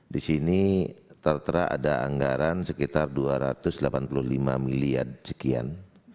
di sini tertera ada anggaran sekitar dua ratus delapan puluh lima miliar sekian